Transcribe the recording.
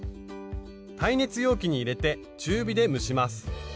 耐熱容器に入れて中火で蒸します。